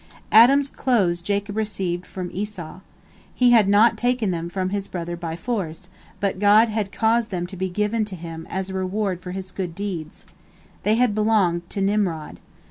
Adam's clothes Jacob had received from Esau. He had not taken them from his brother by force, but God had caused them to be given to him as a reward for his good deeds. They had belonged to Nimrod.